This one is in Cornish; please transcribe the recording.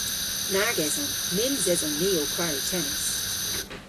Nag eson. Nyns eson ni ow kwari tennis.